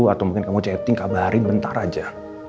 atau mungkin kamu chatting kabarin bentar aja